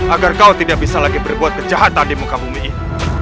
agar kau tidak bisa lagi berbuat kejahatan di muka bumi ini